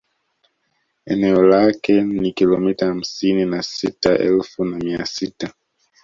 Eneo lake ni kilomita hamsini na sita elfu na mia sita